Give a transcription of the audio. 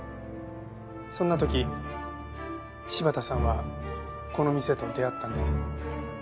そんな時柴田さんはこの店と出会ったんです。